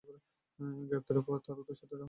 গ্রেফতারের পর তার উত্তরসূরি হন অপূর্ব বড়ুয়া।